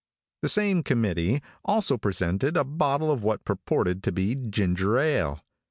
The same committee also presented a bottle of what purported to be ginger ale.